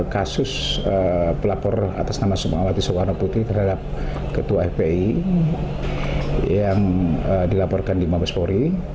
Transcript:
kasus pelapor atas nama soekarno putih terhadap ketua fpi yang dilaporkan di mabes polri